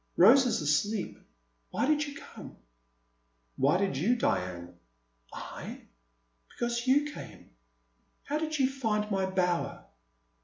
Rose is asleep. Why did you come ?Why did you, Diane?" I? Because you came. How did you find my bower?